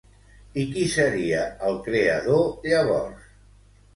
I qui seria el creador, llavors?